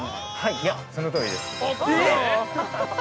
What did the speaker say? ◆いや、そのとおりです。